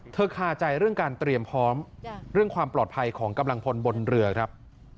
คาใจเรื่องการเตรียมพร้อมเรื่องความปลอดภัยของกำลังพลบนเรือครับ